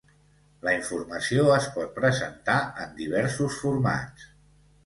La informació es pot presentar en diversos formats.